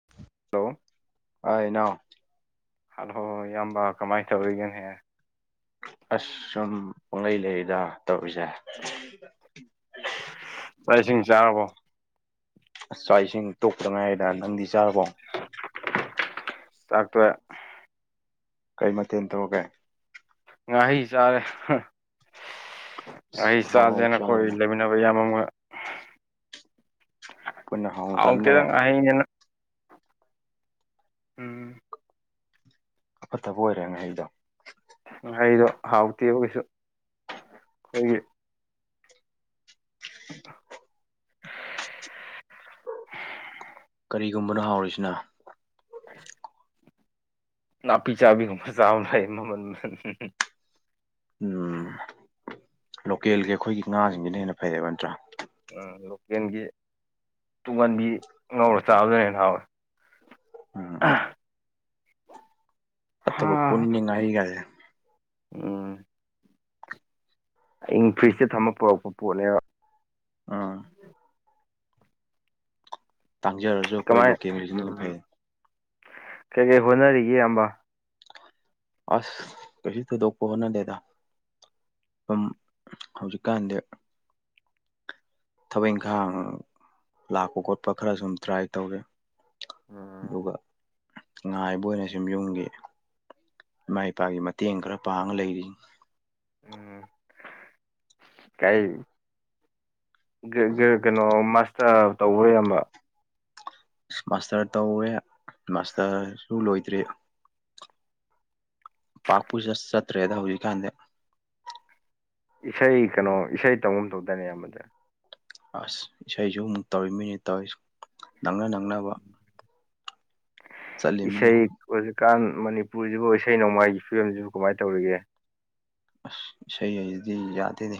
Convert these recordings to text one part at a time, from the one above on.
[inaudible] hello ꯑꯅꯣ hello ꯏꯌꯥꯝꯕ ꯀꯃꯥꯏꯅ ꯇꯧꯔꯤꯒꯦꯅꯦꯍ ꯑꯁ ꯁꯨꯝ ꯄꯪꯂꯩ ꯂꯩꯗ ꯇꯧꯔꯤꯁꯦ ꯆꯥꯛ ꯏꯁꯤꯡ ꯆꯥꯔꯕꯣ ꯆꯥꯛ ꯏꯁꯤꯡ ꯇꯣꯛꯇ ꯉꯥꯏꯔꯤꯗ ꯅꯪꯗꯤ ꯆꯥꯔꯕꯣ ꯆꯥꯛ ꯇꯣꯛꯌꯦ ꯀꯩ ꯃꯊꯦꯜ ꯇꯧꯔꯒꯦ ꯉꯍꯩ ꯆꯥꯔꯦ ꯉꯍꯩ ꯑꯁ ꯑꯍꯥꯎ ꯑꯍꯥꯎ ꯆꯥꯥꯁꯦꯅ ꯈꯣꯏ ꯆꯥꯔꯦꯅ ꯂꯩꯃꯤꯟꯅ ꯂꯩꯃꯤꯟꯅꯕ ꯢꯌꯥꯝꯕ ꯑꯃꯒꯥ ꯄꯨꯟꯅ ꯍꯥꯎꯅ ꯍꯥꯎꯇꯦꯗꯥ ꯆꯥꯃꯤꯟꯅꯔꯦ ꯉꯥꯍꯩꯅꯤꯅꯥ ꯎꯝ ꯑꯐꯠꯇꯕ ꯑꯣꯏꯔꯦ ꯉꯍꯩꯗꯣ ꯉꯍꯩꯗꯣ ꯍꯥꯎꯇꯦꯕ ꯀꯩꯁꯨ ꯑꯩꯈꯣꯏꯒꯤ [inaudible] ꯀꯔꯤꯒꯨꯝꯕꯅꯣ ꯍꯥꯎꯔꯤꯁꯤꯅ ꯅꯥꯄꯤ ꯆꯥꯕꯤꯒꯨꯝꯕ ꯆꯥ ꯐꯩ ꯃꯃꯟ ꯑꯝ ꯂꯣꯀꯦꯜꯒꯤ ꯑꯩꯈꯣꯏꯒꯤ ꯉꯥꯁꯤꯡꯁꯤꯅ ꯍꯦꯟꯅ ꯐꯩꯕ ꯅꯠꯇ꯭ꯔꯥ ꯎꯝ ꯂꯣꯀꯦꯜꯒꯤ ꯇꯨꯡꯉꯥꯟꯕꯤ ꯉꯧꯔ ꯆꯥꯕꯗꯅ ꯍꯦꯟꯅ ꯍꯥꯎꯋꯦ ꯎꯝ ꯑ [inaudible] ꯐꯠꯇꯕ ꯄꯣꯠꯅꯤꯅꯦ ꯉꯥꯍꯩꯒꯁꯦ ꯎꯝ ꯑꯍꯤꯡ ꯐ꯭ꯔꯤꯖꯇ ꯊꯝꯃꯒ ꯄꯨꯔꯛꯄ ꯄꯣꯠꯅꯦꯕ ꯑꯥ ꯇꯥꯡꯖꯔꯁꯨ ꯑꯩꯈꯣꯏ ꯀꯃꯥꯏ ꯂꯣꯀꯦꯜꯒꯤꯁꯤꯅ ꯍꯦꯟꯅ ꯐꯩ ꯀꯩ ꯀꯩ ꯍꯣꯠꯅꯔꯤꯒꯦ ꯢꯌꯥꯝꯕ ꯑꯁ ꯀꯩꯂꯨ ꯊꯣꯢꯗꯣꯛꯄ ꯍꯣꯠꯅꯗꯦꯗꯥ ꯁꯨꯝ ꯍꯧꯖꯤꯛꯀꯥꯟꯗꯤ ꯊꯕꯛ ꯏꯪꯈꯥꯡ ꯂꯥꯛꯄ ꯈꯣꯠꯄ ꯈꯔ ꯁꯨꯝ ꯇ꯭ꯔꯥꯏ ꯇꯧꯋꯦ ꯎꯝ ꯑꯗꯨꯒ ꯉꯥꯏꯕ ꯑꯣꯏꯅ ꯁꯨꯝ ꯌꯨꯝꯒꯤ ꯏꯃꯥ ꯏꯄꯥꯒꯤ ꯃꯇꯦꯡ ꯈꯔ ꯄꯥꯡꯉ ꯂꯩꯔꯤ ꯎꯝ ꯀꯥꯏ ꯀꯩꯅꯣ ꯃꯥꯁꯇꯔ ꯇꯧꯕꯔ ꯢꯌꯥꯝꯕ ꯃꯥꯁꯇꯔ ꯇꯧꯔꯦ ꯃꯥꯁꯇꯔꯁꯨ ꯂꯣꯏꯗ꯭ꯔꯤ ꯄꯥꯛꯄꯨ ꯆꯠ ꯆꯠꯇ꯭ꯔꯦꯗ ꯍꯧꯖꯤꯛꯀꯥꯟꯗꯤ ꯏꯁꯩ ꯀꯩꯅꯣ ꯏꯁꯩ ꯇꯧꯒꯨꯝ ꯇꯧꯗꯥꯢꯅꯦ ꯢꯌꯥꯝꯕꯁꯦ ꯑꯁ ꯏꯁꯩꯁꯨ ꯑꯃꯨꯛ ꯇꯧꯔꯤꯃꯤꯅꯦ ꯅꯪꯅ ꯅꯪꯅꯕ ꯆꯠꯂꯤꯃꯤꯅꯦ ꯏꯁꯩ ꯍꯧꯖꯤꯛꯀꯥꯟ ꯃꯅꯤꯄꯨꯔꯁꯤꯕꯨ ꯏꯁꯩ ꯅꯣꯡꯃꯥꯏꯒꯤ ꯐꯤꯕꯝꯁꯤꯕꯨ ꯀꯃꯥꯏꯅ ꯇꯧꯔꯤꯒꯦ ꯁꯗꯤ ꯌꯥꯗꯅꯦ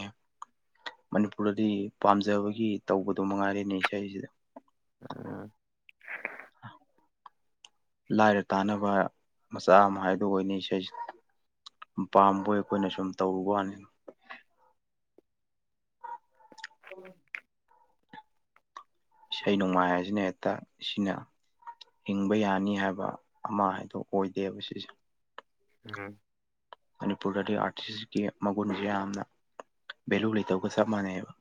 ꯃꯅꯤꯄꯨꯔꯗꯗꯤ ꯄꯥꯝꯖꯕꯒꯤ ꯇꯧꯕꯗꯣ ꯃꯉꯥꯏꯔꯦꯅꯦ ꯏꯁꯩꯁꯤꯗ ꯎꯝ ꯂꯥꯏꯔ ꯇꯥꯟꯅꯕ ꯃꯆꯥ ꯑꯃ ꯍꯥꯏꯗꯨ ꯑꯣꯏꯅꯤ ꯏꯁꯩ ꯄꯥꯝꯕꯣꯏ ꯑꯩꯈꯣꯏꯅ ꯁꯨꯝ ꯇꯧꯔꯨ ꯋꯥꯅꯤ ꯎꯝ ꯏꯁꯩ ꯅꯣꯡꯃꯥꯏ ꯍꯥꯏꯁꯤꯅ ꯍꯦꯛꯇ ꯁꯤꯅ ꯍꯤꯡꯕ ꯌꯥꯅꯤ ꯍꯥꯏꯕ ꯑꯃ ꯍꯥꯏꯗꯣ ꯑꯣꯏꯗꯦꯕ ꯁꯤꯁꯦ ꯎꯝ ꯃꯅꯤꯄꯨꯔꯗꯗꯤ ꯑꯥꯔꯇꯤꯁꯀꯤ ꯃꯒꯨꯟꯁꯦ ꯌꯥꯝꯅ ꯚꯦꯂꯨ ꯂꯩꯇꯕꯒ ꯆꯞ ꯃꯥꯟꯅꯩꯑꯦꯕ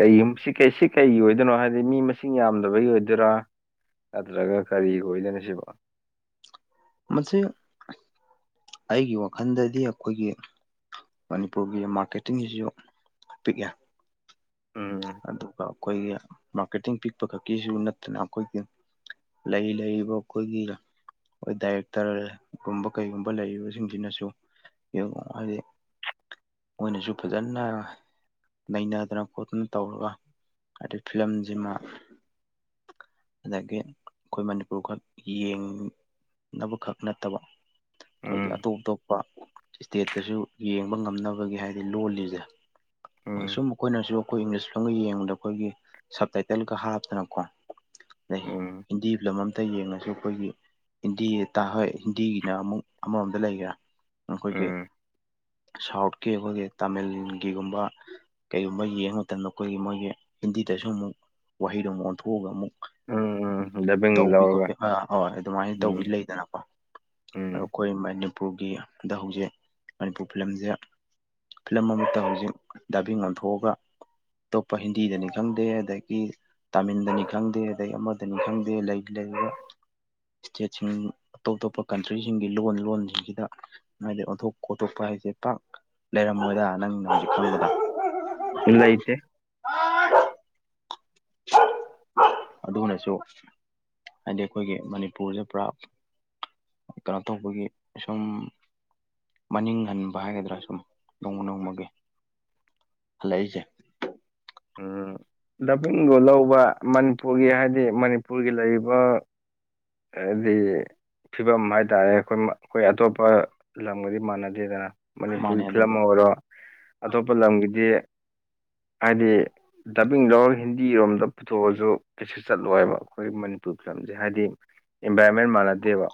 ꯀꯩ ꯁꯤ ꯁꯤ ꯀꯩꯒꯤ ꯑꯣꯏꯗꯣꯏꯅꯣ ꯍꯥꯏꯕꯗꯤ ꯃꯤ ꯃꯁꯤꯡ ꯌꯥꯝꯗꯕꯒꯤ ꯑꯣꯏꯗꯣꯏꯔꯥ ꯅꯠꯇ꯭ꯔꯒ ꯀꯔꯤ ꯑꯣꯏꯗꯅ ꯁꯤꯕꯣ ꯃꯁꯤ ꯑꯩꯒꯤ ꯋꯥꯈꯜꯗꯗꯤ ꯑꯩꯈꯣꯏꯒꯤ ꯃꯅꯤꯄꯨꯔꯒꯤ ꯃꯥꯔꯀꯦꯇꯤꯡꯁꯤꯁꯨ ꯄꯤꯛꯑꯦ ꯎꯝ ꯑꯗꯨꯒ ꯑꯩꯈꯣꯏꯒꯤ ꯃꯥꯔꯀꯦꯇꯤꯡ ꯄꯤꯛꯄ ꯈꯛꯀꯤꯁꯨ ꯅꯠꯇꯅ ꯑꯩꯈꯣꯏꯒꯤ ꯂꯩꯔꯤ ꯂꯩꯔꯤꯕ ꯑꯩꯈꯣꯏꯒꯤ ꯈꯣꯏ ꯗꯥꯏꯔꯦꯛꯇꯔꯒꯨꯝꯕ ꯀꯩꯒꯨꯝꯕ ꯂꯩꯔꯤꯕꯁꯤꯡꯁꯤꯅꯁꯨ ꯌꯕ ꯍꯥꯥꯢ [inaudible] ꯗꯤ ꯃꯣꯏꯅꯁꯨ ꯐꯖꯅ ꯅꯩꯅꯗꯅ ꯈꯣꯠꯇꯅ ꯇꯧꯔꯒ ꯍꯥꯏꯗꯤ ꯐꯤꯂꯝꯁꯤꯃ ꯑꯗꯒꯤ ꯑꯩꯈꯣꯏ ꯃꯅꯤꯄꯨꯔꯈꯛ ꯌꯦꯡꯅꯕꯈꯛ ꯅꯠꯇꯕ ꯑꯩꯈꯣꯏꯒꯤ ꯎꯝ ꯑꯇꯣꯞ ꯑꯇꯣꯞꯄ ꯏꯁꯇꯦꯠꯇꯁꯨ ꯌꯦꯡꯕ ꯉꯝꯅꯕꯒꯤ ꯍꯥꯏꯗꯤ ꯂꯣꯜꯂꯤꯁꯦ ꯍꯣꯏ ꯎꯝ ꯁꯨꯝ ꯑꯩꯈꯣꯏꯅꯁꯨ ꯑꯩꯈꯣꯏ ꯏꯪꯂꯤꯁ ꯐꯤꯂꯝꯒ ꯌꯦꯡꯕꯗ ꯑꯩꯈꯣꯏꯒꯤ ꯁꯕꯇꯥꯏꯇꯜꯒ ꯍꯥꯞꯇꯅꯀꯣ ꯂꯩ ꯎꯝ ꯍꯤꯟꯗꯤ ꯐꯤꯂꯝ ꯑꯃꯝꯇ ꯌꯦꯡꯉꯁꯨ ꯑꯩꯈꯣꯏꯒꯤ ꯍꯤꯟꯗꯤ ꯇꯥ ꯍꯣꯏ ꯍꯤꯟꯗꯤꯒꯤꯅ ꯑꯃꯨꯛ ꯑꯃꯔꯣꯝꯗ ꯂꯩꯈ꯭ꯔꯦ ꯑꯩꯈꯣꯏꯒꯤ ꯎꯝ ꯁꯥꯎꯠꯀꯤ ꯑꯩꯈꯣꯏꯒꯤ ꯇꯥꯃꯤꯜꯒꯤꯒꯨꯝꯕ ꯀꯩꯒꯨꯝꯕ ꯌꯦꯡꯕ ꯃꯇꯝꯗ ꯑꯩꯈꯣꯏꯒꯤ ꯃꯣꯏꯒꯤ ꯍꯤꯟꯗꯤꯗꯁꯨ ꯑꯃꯨꯛ ꯋꯥꯍꯩꯗꯣ ꯑꯃꯨꯛ ꯑꯣꯟꯊꯣꯛꯑꯒ ꯑꯃꯨꯛ ꯎꯝ ꯎꯝ ꯗꯕꯤꯡ ꯇꯧꯕꯤ ꯂꯧꯔꯒ ꯈꯣꯠꯄꯤ ꯑ ꯍꯣꯏ ꯑꯗꯨꯃꯥꯏꯅ ꯎꯝ ꯇꯧꯕꯤ ꯂꯩꯗꯅꯀꯣ ꯑ ꯎꯝ ꯑꯩꯈꯣꯏ ꯃꯅꯤꯄꯨꯔꯒꯤꯗ ꯍꯧꯖꯤꯛ ꯃꯅꯤꯄꯨꯔ ꯐꯤꯂꯝꯁꯦ ꯐꯤꯂꯝ ꯑꯃꯠꯇ ꯍꯧꯖꯤꯛ ꯗꯥꯕꯤ ꯑꯣꯟꯊꯣꯛꯑꯒ ꯑꯇꯣꯞꯄ ꯍꯤꯟꯗꯤꯗꯅꯤ ꯈꯪꯗꯦ ꯑꯗꯒꯤ ꯇꯥꯃꯤꯜꯗꯅꯤ ꯈꯪꯦ ꯈꯪꯗꯦ ꯑꯗꯩ ꯑꯃꯗꯅꯤ ꯈꯪꯗꯦ ꯂꯩ ꯂꯩ ꯏꯁꯇꯦꯠꯁꯤꯡ ꯑꯇꯣꯞ ꯑꯇꯣꯞꯄ ꯀꯟꯇ꯭ꯔꯤꯁꯤꯡꯒꯤ ꯂꯣꯟ ꯂꯣꯟꯁꯤꯡꯁꯤꯗ ꯍꯥꯏꯗꯤ ꯑꯣꯟꯊꯣꯛ ꯈꯣꯠꯇꯣꯛꯄ ꯍꯥꯏꯁꯦ ꯄꯥꯛ ꯂꯩꯔꯝꯃꯣꯏꯗ ꯅꯪ ꯍꯧꯖꯤꯛ ꯈꯕꯗ ꯏꯂꯥꯏꯇꯦ ꯑ ꯑ ꯑꯗꯨꯅꯁꯨ ꯍꯥꯏꯗꯤ ꯑꯩꯈꯣꯏꯒꯤ ꯃꯅꯤꯄꯨꯔꯁꯦ ꯄꯨꯔꯥ ꯀꯩꯅꯣ ꯇꯧꯕꯒꯤ ꯁꯨꯝ ꯃꯅꯤꯡ ꯍꯟꯕ ꯍꯥꯏꯒꯗ꯭ꯔꯥ ꯁꯨꯝ ꯅꯣꯡꯃ ꯅꯣꯡꯃꯒꯤ ꯍꯜꯂꯛꯏꯁꯦ ꯎ ꯗꯄꯡꯒ ꯂꯧꯕ ꯃꯅꯤꯄꯨꯔꯒꯤ ꯍꯥꯏꯗꯤ ꯃꯅꯤꯄꯨꯔꯒꯤ ꯂꯩꯔꯤꯕ ꯑꯗꯨꯗꯤ ꯐꯤꯕꯝ ꯍꯥꯏꯇꯥꯔꯦ ꯑꯩꯈꯣꯏ ꯑꯩꯈꯣꯏ ꯑꯇꯣꯞꯄ ꯂꯝꯒꯗꯤ ꯃꯥꯟꯅꯗꯦꯗꯅ ꯃꯥꯅꯦ ꯃꯅꯤꯄꯨꯔꯒꯤ ꯐꯤꯂꯝ ꯑꯗꯨꯒ ꯑꯃ ꯑꯣꯏꯔꯣ ꯑꯇꯣꯞꯄ ꯂꯝꯒꯤꯗꯤ ꯍꯥꯏꯗꯤ ꯗꯕꯤꯡ ꯂꯧꯔꯒ ꯍꯤꯟꯗꯤꯔꯣꯝꯗ ꯄꯨꯊꯣꯛꯑꯁꯨ ꯀꯩꯁꯨ ꯆꯠꯂꯣꯏꯕ ꯑꯩꯈꯣꯏꯒꯤ ꯃꯅꯤꯄꯨꯔ ꯐꯤꯂꯝꯗ ꯍꯥꯏꯗꯤ ꯏꯟꯚꯥꯏꯔꯣꯟꯃꯦꯟ ꯃꯥꯟꯅꯗꯦꯕ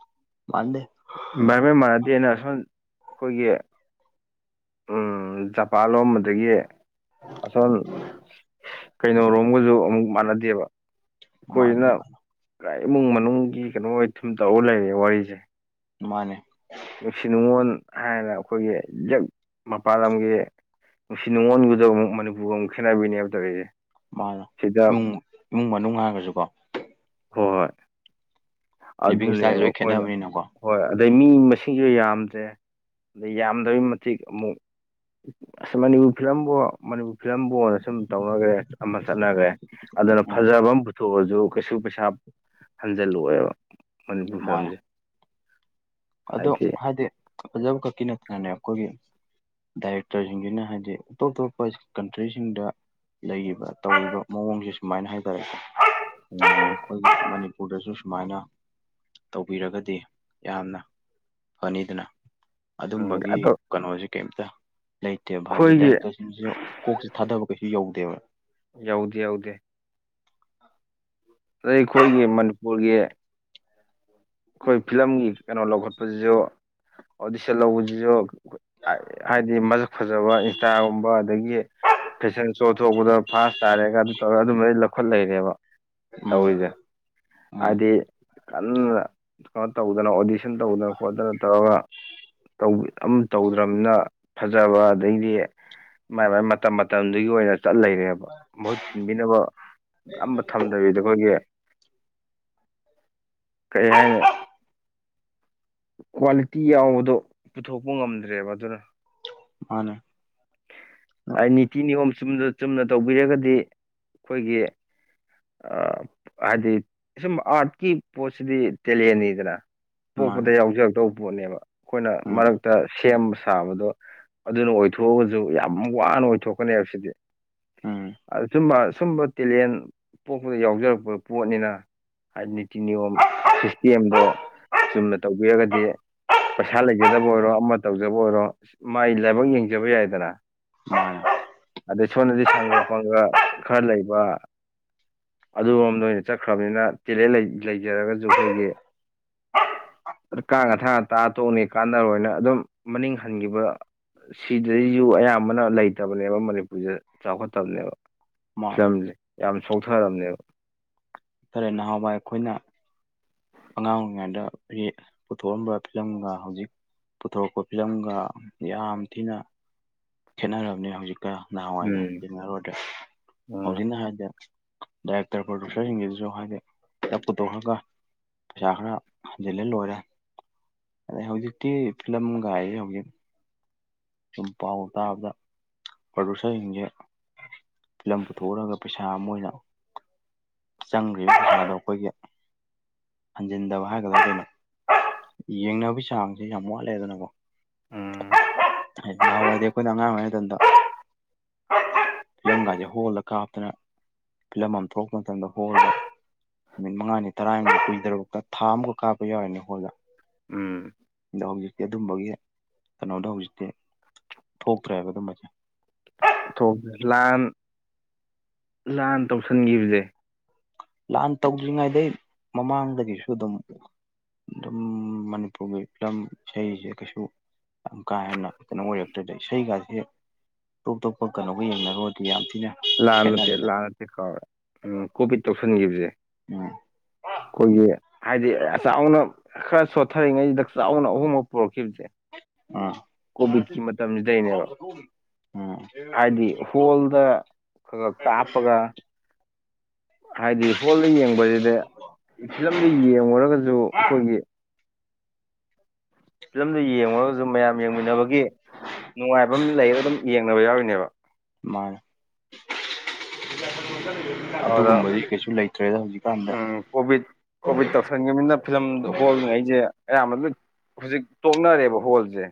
ꯃꯥꯟꯗꯦ ꯚꯥꯏꯕꯦꯜ ꯃꯥꯟꯅꯗꯦꯅ ꯑꯁꯣꯝ ꯑꯩꯈꯣꯏꯒꯤ ꯎꯝ ꯖꯄꯥꯟ ꯂꯣꯝꯕꯗꯒꯤ ꯎꯝ ꯀꯩꯅꯣꯔꯣꯝꯒꯁꯨ ꯑꯃꯨꯛ ꯃꯥꯟꯅꯗꯦꯕ ꯃꯥꯟꯗꯦ ꯑꯩꯈꯣꯏꯅ ꯄꯨꯔꯥ ꯏꯃꯨꯡ ꯃꯅꯨꯡꯒꯤ ꯀꯩꯅꯣ ꯑꯣꯏ ꯊꯨꯝ ꯇꯧꯔ ꯂꯩꯔꯦ ꯋꯥꯔꯤꯁꯦ ꯃꯥꯅꯦ ꯅꯨꯡꯁꯤ ꯅꯨꯡꯉꯣꯟ ꯍꯥꯏꯔꯅ ꯑꯩꯈꯣꯏꯒꯤꯛ ꯃꯄꯥꯟ ꯂꯝꯒꯤ ꯅꯨꯡꯁꯤ ꯅꯨꯡꯉꯣꯟꯒꯗꯕ ꯑꯃꯨꯛ ꯃꯅꯤꯄꯨꯔꯒ ꯑꯃꯨꯛ ꯈꯦꯠꯅꯕꯤꯅꯦ ꯍꯥꯏꯕ ꯇꯥꯔꯦꯁꯦ ꯃꯥꯅ ꯏꯃꯨꯡ ꯏꯃꯨꯡ ꯃꯅꯨꯡ ꯍꯥꯏꯔꯒꯁꯨꯀꯣ ꯍꯣꯏ ꯍꯣꯏ ꯂꯤꯕꯤꯡ ꯏꯁꯇꯥꯏꯜ ꯑꯗꯨꯅꯦꯕ ꯂꯣꯏ ꯑꯩꯈꯣꯏꯅ ꯈꯦꯠꯅꯕꯅꯤꯅꯀꯣ ꯍꯣꯏ ꯑꯗꯩ ꯃꯤ ꯃꯁꯤꯡꯁꯨ ꯌꯥꯝꯗ꯭ꯔꯦ ꯑꯗꯩ ꯌꯥꯝꯗꯕꯒꯤ ꯃꯇꯤꯛ ꯑꯃꯨꯛ ꯑꯁ ꯃꯅꯤꯕꯨ ꯐꯤꯔꯂꯝꯝꯕꯣ ꯃꯅꯤꯄꯨꯔ ꯐꯤꯂꯝꯕꯨ ꯑꯣꯏꯅ ꯁꯨꯝ ꯇꯧꯅꯈ꯭ꯔꯦ ꯑꯃ ꯆꯠꯅꯈ꯭ꯔꯦ ꯑꯗꯨꯅ ꯎꯝ ꯐꯖꯕ ꯑꯃ ꯁꯣꯑꯁꯨ ꯀꯩꯁꯨ ꯄꯩꯁꯥ ꯍꯟꯖꯜꯂꯛꯦꯕ ꯃꯅꯤꯄꯨꯔ ꯃꯥꯅꯦ ꯐꯤꯂꯝꯁꯦ ꯑꯗꯣ ꯍꯥꯏꯗꯤ ꯐꯖꯕ ꯈꯛꯀꯤ ꯅꯠꯇꯅꯅꯦ ꯑꯩꯈꯣꯏꯒꯤ ꯗꯥꯏꯔꯦꯛꯇꯔꯁꯤꯡꯁꯤꯅ ꯍꯥꯏꯗꯤ ꯑꯇꯣꯞ ꯑꯇꯣꯞꯄ ꯀꯟꯇ꯭ꯔꯤꯁꯤꯡꯗ ꯂꯩꯔꯤꯕ ꯇꯧꯔꯤꯕ ꯃꯑꯣꯡꯁꯦ ꯁꯨꯃꯥꯏꯅ ꯍꯥꯏꯇꯥꯔꯦꯀꯣ ꯎꯝ ꯑꯩ ꯃꯅꯤꯄꯨꯔꯗꯁꯨ ꯁꯨꯃꯥꯏꯅ ꯇꯧꯕꯤꯔꯒꯗꯤ ꯌꯥꯝꯅ ꯐꯅꯤꯗꯅ ꯑꯗꯨꯝꯕꯒꯤ ꯑꯗꯣ ꯀꯩꯅꯣꯁꯦ ꯀꯩꯝꯇ ꯂꯩꯇꯦꯕ ꯍꯥꯏꯕꯗꯤ ꯑꯩꯈꯣꯏꯒꯤ ꯗꯥꯏꯔꯛꯇꯔ ꯅ ꯀꯣꯛꯁꯦ ꯊꯥꯗꯕ ꯀꯩꯁꯨ ꯌꯧꯗꯦꯕ ꯌꯎꯗ ꯌꯎꯗꯦ ꯑꯩꯈꯣꯏꯒꯤ ꯃꯅꯤꯄꯨꯔꯒꯤ ꯑꯩꯈꯣꯏ ꯐꯤꯂꯝꯒꯤ ꯀꯩꯅꯣ ꯂꯧꯈꯠꯄꯁꯤꯁꯨ ꯑꯣꯗꯤꯁꯟ ꯂꯧꯕꯁꯤꯁꯨ ꯍꯥꯏꯗꯤ ꯃꯁꯛ ꯐꯖꯕ ꯏꯟꯁꯇꯥꯒꯨꯝꯕ ꯑꯗꯒꯤ ꯐꯦꯁꯟ ꯁꯣ ꯊꯣꯛꯄꯗ ꯐꯥꯥꯁ ꯇꯥꯔꯦꯒ ꯑꯗꯨꯝ ꯇꯧꯔꯒ ꯑꯗꯨꯃ ꯂꯧꯈꯠ ꯂꯩꯔꯦꯕ ꯎꯝ ꯇꯧꯔꯤꯁꯦ ꯎꯝ ꯍꯥꯏꯗꯤ ꯀꯟꯅ ꯀꯩꯅꯣ ꯇꯧꯗꯅ ꯑꯣꯗꯤꯁꯟ ꯟ ꯇꯧꯗꯅ ꯈꯣꯠꯇꯅ ꯇꯧꯔꯒꯧꯕ ꯇꯧꯗ꯭ꯔꯕꯅ ꯐꯖꯕ ꯑꯗꯩꯗꯤ ꯃꯥꯏ ꯃꯥꯏ ꯃꯇꯝ ꯃꯇꯝꯗꯨꯒꯤ ꯑꯣꯏꯅ ꯆꯠ ꯂꯩꯔꯦꯕ ꯃꯍꯨꯠ ꯁꯤꯟꯕꯤꯅꯕ ꯑꯃꯝꯕ ꯊꯝꯗꯕꯤꯗ ꯑꯩꯈꯣꯏꯒꯤ ꯀꯩ ꯍꯥꯏꯅ ꯀ꯭ꯋꯥꯂꯤꯇꯤ ꯌꯥꯎꯕꯗꯣ ꯄꯨꯊꯣꯛꯄ ꯉꯝꯗ꯭ꯔꯦꯕ ꯑꯗꯨꯅ ꯃꯥꯅꯦ ꯅꯤꯇꯤ ꯅꯤꯌꯣꯝ ꯆꯨꯝ ꯆꯨꯝꯅ ꯇꯧꯕꯤꯔꯒꯗꯤ ꯑꯩꯈꯣꯏꯒꯤ ꯍꯥꯏꯗꯤ ꯁꯨꯝ ꯑꯥꯔꯠꯀꯤ ꯄꯣꯠꯁꯤꯗꯤ ꯇꯦꯂꯦꯟꯅꯤꯗꯅ ꯃꯥꯅꯦ ꯄꯣꯛꯄꯗ ꯌꯥꯎꯖꯔꯛꯇꯧꯕ ꯄꯣꯠꯅꯦꯕ ꯑꯩꯈꯣꯏꯅ ꯎꯝ ꯃꯔꯛꯇ ꯁꯦꯝꯕ ꯁꯥꯕꯗꯣ ꯑꯗꯨꯅ ꯑꯣꯏꯊꯣꯛꯑꯒꯁꯨ ꯌꯥꯝ ꯋꯥꯅ ꯑꯣꯏꯊꯣꯛꯀꯅꯤ ꯍꯥꯏꯕꯁꯤꯗꯤ ꯎꯝ ꯑ ꯁꯨꯝꯃ ꯁꯕ ꯇ ꯂꯟ ꯄꯣꯛꯄꯗ ꯌꯥꯎꯖꯔꯛꯄ ꯄꯣꯠꯅꯤꯅ ꯍꯥꯏꯗꯤ ꯅꯤꯇꯤ ꯅꯤꯌꯣꯝ ꯁꯤꯁꯇꯦꯝꯗꯣ ꯆꯨꯝꯅ ꯇꯧꯕꯤꯔꯒꯗꯤ ꯄꯩꯁꯥ ꯂꯩꯖꯗꯕ ꯑꯣꯏꯔꯣ ꯑꯃ ꯇꯧꯖꯕ ꯑꯣꯏꯔꯣ ꯃꯥꯏ ꯂꯥꯏꯕꯛ ꯌꯦꯡꯖꯕ ꯌꯥꯏꯗꯅ [unintelligible] ꯑꯗꯩ ꯁꯣꯝꯗꯗꯤ ꯁꯪꯒ ꯄꯪꯒ ꯈꯔ ꯂꯩꯕ ꯑꯗꯨꯔꯣꯝꯗ ꯑꯣꯏꯅ ꯆꯠꯈ꯭ꯔꯕꯅꯤꯅ ꯇꯦꯂꯦꯟ ꯂꯩꯖꯔꯒꯁꯨ ꯑꯩꯈꯣꯏꯒꯤ ꯀꯥꯡ ꯑ ꯊꯥꯡ ꯇꯥ ꯇꯣꯡꯉ ꯀꯥꯟꯅꯔꯣꯏꯅ ꯑꯗꯨꯝ ꯃꯅꯤꯡ ꯍꯟꯈꯤꯕ ꯁꯤꯗꯩꯁꯨ ꯑꯌꯥꯝꯕꯅ ꯂꯩꯇꯕꯅꯦꯕ ꯃꯅꯤꯄꯨꯔꯔꯤꯗ ꯆꯥꯎꯈꯠꯇꯕꯅꯦꯕ ꯃꯥꯅꯦ ꯐꯤꯂꯝꯁꯦ ꯌꯥꯝ ꯁꯣꯛꯊꯔꯝꯅꯦꯕ ꯇꯔꯦꯠ ꯅꯍꯥꯎꯕꯏ ꯑꯩꯈꯣꯏꯅ ꯑꯉꯥꯡ ꯑꯣꯏꯔꯤꯉꯩꯗ ꯑꯩ ꯄꯨꯊꯣꯛꯑꯝꯕ ꯐꯤꯂꯝꯒ ꯍꯧꯖꯤꯛ ꯄꯨꯊꯣꯔꯛꯄ ꯐꯤꯂꯝꯒ ꯌꯥꯝ ꯊꯤꯅ ꯈꯦꯠꯅꯔꯕꯅꯤ ꯍꯧꯖꯤꯛꯀ ꯅꯍꯥꯟꯋꯥꯏꯒ ꯎꯝ ꯆꯦꯡꯅꯔꯨꯔꯗ꯭ꯔ ꯎꯝ ꯍꯧꯖꯤꯛꯅ ꯍꯥꯏꯗ ꯗꯥꯏꯔꯦꯛꯇꯔ ꯄ꯭ꯔꯣꯗ꯭ꯌꯨꯁꯔꯁꯤꯡꯒꯤꯁꯤꯁꯨ ꯍꯥꯏꯗꯤ ꯄꯨꯊꯣꯛꯑꯒ ꯄꯩꯁꯥ ꯈꯔ ꯍꯟꯖꯤꯜꯂꯦ ꯂꯣꯏꯔꯦ ꯑꯗꯩ ꯍꯧꯖꯤꯛꯇꯤ ꯐꯤꯂꯝꯒꯔꯤ ꯍꯧꯖꯤꯛ ꯁꯨꯝ ꯄꯥꯎ ꯇꯥꯕꯗ ꯄ꯭ꯔꯣꯗꯨꯁꯔꯁꯤꯡꯁꯦ ꯐꯤꯂꯝ ꯄꯨꯊꯣꯛꯀꯗꯕ ꯄꯩꯁꯥ ꯑꯃ ꯑꯣꯏꯅ ꯆꯪꯒꯔꯤꯕ ꯄꯩꯁꯥ ꯑꯗꯣ ꯑꯩꯈꯣꯏꯒꯤ ꯍꯟꯖꯤꯟꯗꯕ ꯍꯥꯏꯒꯗ꯭ꯔꯥ ꯀꯩꯅꯣ ꯌꯦꯡꯅꯕꯒꯤ ꯆꯥꯡꯁꯦ ꯌꯥꯝ ꯋꯥꯠꯂꯦꯗꯅꯀꯣ ꯎꯝ ꯑꯉꯥꯡ ꯑꯣꯏꯔꯁꯅꯨ ꯃꯇꯝꯗ ꯌꯪꯒꯥꯦ ꯍꯣꯜꯂ ꯀꯥ [unintelligible] ꯑꯗꯨꯅ ꯐꯤꯂꯝ ꯑꯃ ꯊꯣꯛꯛꯄ ꯃꯇꯝꯗ ꯍꯣꯜꯗ ꯅꯨꯃꯤꯠ ꯃꯉꯥꯅꯤ ꯇꯔꯥꯅꯤꯗ ꯀꯨꯏ ꯊꯥ ꯑꯃꯒ ꯀꯥꯞꯄ ꯌꯥꯎꯔꯤꯅꯦ ꯍꯣꯜꯗ ꯎꯝ ꯑꯗꯣ ꯍꯧꯖꯤꯛꯇꯤ ꯑꯗꯨꯝꯕꯒꯤ ꯀꯩꯅꯣꯗꯣ ꯍꯧꯖꯤꯛꯇꯤ ꯊꯣꯛꯇ꯭ꯔꯦꯕ ꯑꯗꯨꯝꯕꯁꯦ ꯊꯣꯛꯦ ꯂꯥꯟ ꯂꯥꯟ ꯇꯧꯁꯟꯈꯤꯕꯁꯦ ꯂꯍꯥꯟ ꯇꯧꯗ꯭ꯔꯤꯉꯩꯗꯩ ꯃꯃꯥꯡꯗꯒꯤꯁꯨ ꯑꯗꯨꯝ ꯑꯗꯨꯝ ꯃꯅꯤꯄꯨꯔꯒꯤ ꯐꯤꯂꯝ ꯏꯁꯩꯁꯦ ꯀꯩꯁꯨ ꯌꯥꯝ ꯀꯥ ꯍꯦꯟꯅ ꯀꯩꯅꯣ ꯑꯣꯏꯔꯛꯇꯣꯏꯗ ꯏꯁꯩꯒꯥꯁꯦ ꯇꯣꯞ ꯇꯣꯞꯄ ꯀꯣꯒ ꯌꯦꯡꯅꯔꯨꯔ ꯑꯗꯨ ꯌꯥꯝ ꯊꯤꯅ ꯂꯥꯟ ꯅꯠꯇꯦ ꯈꯦꯠꯅꯔꯦꯗ ꯂꯥꯟ ꯅꯠꯇꯦ ꯀꯥꯎꯔꯦ ꯎꯝ ꯀꯣꯚꯤꯠ ꯇꯧꯁꯟꯈꯤꯕꯁꯦ ꯎꯝ ꯑꯩꯈꯣꯏꯒꯤ ꯍꯥꯏꯗꯤ [unintelligible] ꯈꯔ ꯁꯣꯠꯊꯔꯤꯉꯩꯁꯤꯗ ꯆꯥꯎꯅ ꯑꯍꯣꯡꯕ ꯄꯨꯔꯛꯈꯤꯕꯁꯦ ꯎꯝ ꯀꯣꯚꯤꯠꯀꯤ ꯃꯇꯝꯁꯤꯗꯩꯅꯦꯕ ꯎꯝ ꯍꯥꯏꯗꯤ ꯍꯣꯜꯗ ꯀꯥꯞꯄꯒ ꯍꯥꯏꯗꯤ ꯍꯣꯜꯗ ꯌꯦꯡꯕꯁꯤꯗꯤ ꯐꯤꯂꯝꯗꯨ ꯌꯦꯡꯉꯨꯔꯒꯁꯨ ꯑꯩꯈꯣꯏꯒꯤ ꯐꯤꯂꯝꯗꯨ ꯌꯦꯡꯂꯉꯨꯔꯒꯁꯨ ꯃꯌꯥꯝ ꯌꯦꯡꯃꯤꯟꯅꯕꯒꯤ ꯅꯨꯡꯉꯥꯏꯕ ꯑꯃ ꯂꯩꯔꯒ ꯑꯗꯨꯝ ꯌꯦꯡꯅꯕ ꯌꯥꯎꯔꯤꯅꯦꯕ ꯃꯅꯤ ꯑꯗꯨꯗ ꯑꯗꯨꯒꯨꯝꯕꯗꯤ ꯀꯩꯁꯨ ꯂꯩꯇ꯭ꯔꯦꯗ ꯍꯧꯖꯤꯛꯀꯥꯟꯗ ꯎꯝ ꯀꯣꯚꯤꯠ ꯀꯣꯚꯤꯠ ꯇꯧꯁꯟꯒꯤꯝꯅꯤꯅ ꯐꯤꯂꯝ ꯍꯣꯜꯉꯩꯁꯦ ꯑꯌꯥꯝꯕ ꯂꯣꯏ ꯍꯧꯖꯤꯛ ꯇꯣꯛꯅꯔꯦꯕ ꯍꯣꯜꯁꯦ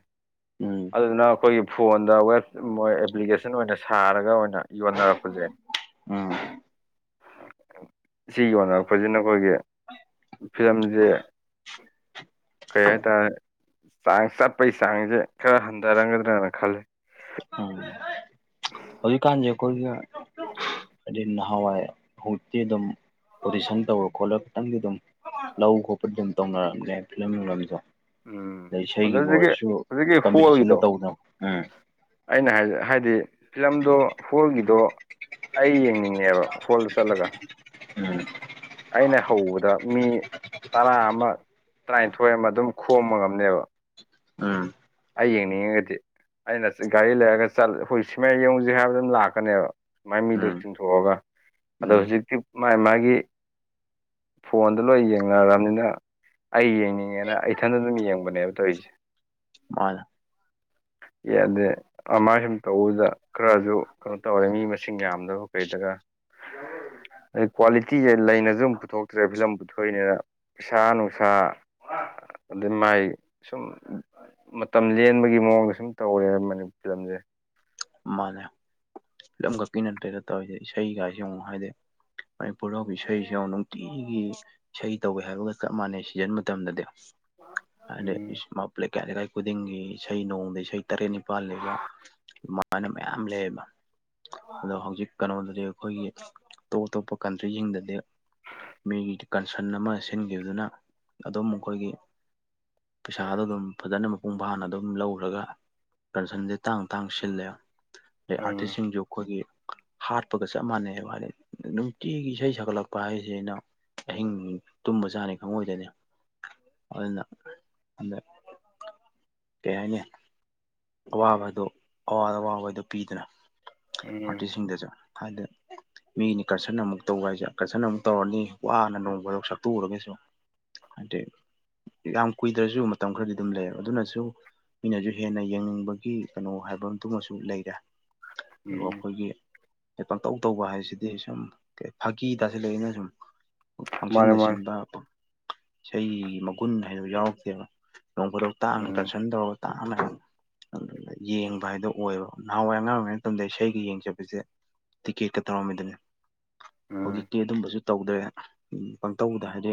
ꯎꯝ ꯑꯗꯨꯅ ꯑꯩꯈꯣꯏꯒꯤ ꯐꯣꯟꯗ ꯋꯦꯕ ꯃ ꯑꯦꯄ꯭ꯂꯤꯀꯦꯁꯟ ꯑꯣꯏꯅ ꯁꯥꯔꯒ ꯑꯣꯏꯅ ꯌꯣꯟꯅꯔꯛꯄꯁꯦ ꯎꯝ ꯁꯤ ꯌꯣꯟꯅꯔꯛꯄꯁꯤꯅ ꯑꯩꯈꯣꯏꯒꯤ ꯐꯤꯂꯝꯁꯦ ꯀꯩ ꯍꯥꯏꯇꯥꯔꯦ ꯆꯥꯡ ꯆꯠꯄꯩ ꯆꯥꯡꯁꯦ ꯈꯔ ꯍꯟꯊꯔꯝꯒꯗ꯭ꯔꯅ ꯈꯜꯂꯦ ꯎꯝ ꯍꯧꯖꯤꯛ ꯀꯥꯟꯖꯦꯑꯈꯣꯏꯅ ꯍꯥꯏꯗꯤ ꯅꯍꯥꯟꯋꯥꯏ ꯍꯧꯖꯤꯛꯇꯤ ꯑꯗꯨꯝ ꯑꯣꯗꯤꯁꯟ ꯇꯧꯔ ꯈꯣꯠꯂ ꯈꯤꯇꯪꯗꯤ ꯑꯗꯨꯝ ꯂꯧ ꯈꯣꯠꯄ ꯑꯗꯨꯝ ꯇꯧꯅꯔꯛꯝꯃꯦꯦ ꯐꯤꯂꯝꯁꯨ ꯎꯝ ꯑꯗꯩ ꯑꯗꯨꯗꯒꯤ ꯏꯁꯩꯒꯤꯕꯨ ꯍꯧꯖꯤꯛꯀꯤ ꯑꯣꯏꯔꯁꯨ ꯍꯧꯖꯤꯛꯀꯤ ꯀꯝꯄꯤꯇꯤꯁꯟꯗꯨ ꯍꯣꯜꯒꯤꯗꯣ ꯇꯧꯗ ꯎꯝ ꯑꯩꯅ ꯍꯥꯏꯗꯤ ꯍꯥꯏꯗꯤ ꯐꯤꯂꯝꯗꯣ ꯍꯣꯜꯒꯤꯗꯣ ꯑꯩ ꯌꯦꯡꯅꯤꯡꯉꯦꯕ ꯍꯣꯜ ꯆꯠꯂꯒ [unintelligible] ꯑꯩꯅ ꯍꯧꯕꯗ ꯃꯤ ꯇꯔꯥ ꯑꯃ ꯇꯔꯥꯅꯤꯊꯣꯏ ꯑꯃ ꯑꯗꯨꯝ ꯈꯣꯝꯕ ꯉꯝꯅꯦꯕ ꯎꯝ ꯑꯩ ꯌꯦꯡꯅꯤꯡꯉꯒꯗꯤ ꯑꯩꯅ ꯒꯥꯔꯤ ꯂꯩꯔꯒ ꯆꯠꯂ ꯍꯣꯏ ꯁꯤꯃꯥ ꯌꯦꯡꯉꯨꯁꯤ ꯍꯥꯏꯕꯗ ꯑꯗꯨꯝ ꯂꯥꯛꯀꯅꯦꯕ ꯑꯗꯨꯃꯥꯏꯅ ꯃꯤꯗꯣ ꯎꯝ ꯆꯤꯡꯊꯣꯛꯑꯒ ꯑꯗꯣ ꯎꯝ ꯍꯧꯖꯤꯛꯇꯤ ꯃꯥꯒꯤ ꯃꯥꯒꯤ ꯐꯣꯟꯗ ꯂꯣꯏ ꯌꯦꯡꯅꯔꯕꯅꯤꯅ ꯑꯩ ꯌꯦꯡꯅꯤꯡꯉꯦꯅ ꯏꯊꯟꯗ ꯑꯗꯨꯝ ꯌꯦꯡꯕꯅꯦꯕ ꯇꯧꯔꯤꯁꯦ ꯍꯣꯏ [unintelligible] ꯌꯗꯦ ꯑꯃꯥꯏ ꯁꯨꯝ ꯇꯧꯕꯗ ꯈꯔꯁꯨ ꯀꯩꯅꯣ ꯇꯧꯔꯦ ꯃꯤ ꯃꯁꯤꯡ ꯌꯥꯝꯗꯕ ꯀꯩꯗꯒ [unintelligible] ꯑꯗꯩ ꯀ꯭ꯋꯥꯂꯤꯇꯤꯁꯦ ꯂꯩꯅꯁꯨ ꯑꯃꯨꯛ ꯄꯨꯊꯣꯛꯇ꯭ꯔꯦ ꯐꯤꯂꯝ ꯄꯨꯊꯣꯛꯏꯅꯦꯗ ꯄꯩꯁꯥ ꯅꯨꯡꯁꯥ ꯑꯗꯩ ꯃꯥꯏ ꯁꯨꯝ ꯃꯇꯝ ꯂꯦꯟꯕꯒꯤ ꯃꯑꯣꯡꯗ ꯁꯨꯝ ꯇꯧꯔꯦ ꯃꯅꯤꯄꯨꯔ ꯐꯤꯂꯝꯁꯦ ꯃꯥꯅꯦ ꯐꯤꯂꯝ ꯈꯛꯀꯤ ꯅꯠꯇꯦꯗ ꯇꯧꯔꯤꯁꯦ ꯏꯁꯩꯒꯥꯁꯤ ꯌꯦꯡꯉꯨ ꯍꯥꯏꯗꯤ ꯃꯅꯤꯄꯨꯔꯗ ꯏꯁꯩꯁꯤꯌꯦꯡꯉꯨ ꯅꯨꯡꯇꯤꯒꯤ ꯏꯁꯩ ꯇꯧꯋꯦ ꯍꯥꯏꯕꯒ ꯆꯞ ꯃꯥꯟꯅꯩ ꯁꯤꯖꯟ ꯃꯇꯝꯗꯗꯤ ꯍꯥꯏꯗꯤ ꯎꯝ [unintelligible] ꯂꯩꯀꯥꯏ ꯈꯨꯗꯤꯡꯒꯤ ꯏꯁꯩ ꯅꯣꯡꯗ ꯏꯁꯩ ꯇꯔꯦꯠ ꯅꯤꯄꯥꯜꯅꯤꯕꯣ ꯃꯥꯅꯤ ꯃꯌꯥꯝ ꯂꯩꯌꯦꯕ ꯑꯗꯣ ꯍꯧꯖꯤꯛ ꯀꯩꯅꯣꯗꯗꯤ ꯑꯩꯈꯣꯏꯒꯤ ꯑꯇꯣꯞ ꯑꯇꯣꯞꯄ ꯀꯟꯇ꯭ꯔꯤꯁꯤꯡꯗꯗꯤ ꯃꯤꯒꯤ ꯀꯟꯁꯟ ꯑꯃ ꯁꯤꯟꯈꯤꯕꯗꯨꯅ ꯑꯗꯨꯝ ꯃꯈꯣꯏꯒꯤ ꯄꯩꯁꯥꯗꯣ ꯑꯗꯨꯝ ꯐꯖꯅ ꯃꯄꯨꯡ ꯐꯥꯅ ꯑꯗꯨꯝ ꯂꯧꯔꯒ ꯀꯟꯁꯟꯁꯦ ꯇꯥꯡ ꯇꯥꯡ ꯁꯤꯜꯂꯦ ꯑꯗꯩ ꯎꯝ ꯑꯥꯔꯇꯤꯁꯁꯤꯡꯁꯨ ꯑꯩꯈꯣꯏꯒꯤ ꯍꯥꯠꯄꯒ ꯆꯞ ꯃꯥꯟꯅꯩꯌꯦ ꯋꯥꯅꯤ ꯅꯨꯡꯇꯤꯒꯤ ꯏꯁꯩ ꯁꯛꯀꯠꯂꯛꯄ ꯍꯥꯏꯁꯦ ꯏꯅꯥꯎ ꯑꯍꯤꯡ ꯇꯨꯝꯕꯆꯥꯅꯤ ꯈꯪꯉꯣꯏꯗ꯭ꯔꯤꯅꯤ ꯑꯗꯨꯅ ꯑꯗ [unintelligible] ꯀꯩ ꯍꯥꯏꯅꯤ ꯑꯋꯥꯕꯗꯣ ꯑꯋꯥꯗ ꯑꯋꯥ ꯃꯣꯏꯗꯣ ꯄꯤꯗꯅ ꯎꯝ ꯑꯥꯔꯇꯤꯁꯁꯤꯡꯗꯁꯨ ꯍꯥꯏꯗꯤ ꯃꯤꯒꯤ ꯀꯟꯁꯟ ꯑꯃꯨꯛ ꯇꯧꯕ ꯍꯥꯏꯁꯦ ꯀꯟꯁꯟ ꯑꯃꯨꯛ ꯇꯧꯔꯅꯤ ꯋꯥꯅ ꯅꯣꯡꯃꯗꯣ ꯁꯛꯇꯨꯣꯛꯎꯔꯒꯁꯨ ꯍꯥꯏꯗꯤ ꯌꯥꯝ ꯀꯨꯏꯗ꯭ꯔꯁꯨ ꯃꯇꯝ ꯈꯔꯗꯤ ꯑꯗꯨꯝ ꯂꯩꯌꯦꯕ ꯑꯗꯨꯅꯁꯨ ꯃꯤꯅꯁꯨ ꯍꯦꯟꯅ ꯌꯦꯡꯅꯤꯡꯕꯒꯤ ꯀꯩꯅꯣ ꯍꯥꯏꯕ ꯑꯗꯨꯃꯁꯨ ꯨ ꯂꯩꯔꯦ ꯑꯗꯨꯒ ꯎꯝ ꯑꯩꯈꯣꯏꯒꯤ ꯄꯪꯇꯧ ꯇꯧꯕ ꯍꯥꯏꯁꯤꯗꯤ ꯁꯨꯝ ꯀꯩ ꯐꯥꯒꯤ ꯇꯥꯁꯤꯜꯂꯛꯏꯅ ꯁꯨꯝ ꯃꯥꯅꯦ ꯄꯪꯁꯤꯟꯗ ꯃꯥꯅꯦ ꯁꯤꯟꯕ ꯏꯁꯩ ꯃꯒꯨꯟ ꯍꯥꯏꯗꯣ ꯌꯥꯎꯔꯛꯇꯦꯕ ꯅꯣꯡꯐꯥꯗꯣꯛ ꯇꯥꯡꯅ ꯎꯝ ꯀꯟꯁꯔꯟ ꯇꯧꯔꯒ ꯇꯥꯡꯅ ꯑꯗꯨ ꯌꯦꯡꯕ ꯍꯥꯏꯗꯣ ꯑꯣꯏꯕ ꯅꯍꯥꯟꯋꯥꯏ ꯑꯉꯥꯡ ꯑꯣꯏꯔꯤꯉꯩ ꯃꯇꯝꯗ ꯏꯁꯩꯒ ꯌꯦꯡꯖꯕꯁꯦ ꯇꯤꯛꯀꯦꯠꯀ ꯇꯧꯔꯝꯃꯤꯗꯨꯅꯤ ꯎꯝ ꯍꯧꯖꯤꯛꯇꯤ ꯑꯗꯨꯝꯕꯁꯨ ꯇꯧꯗ꯭ꯔꯦ ꯄꯪꯇꯧꯗ ꯍꯥꯏꯗꯤ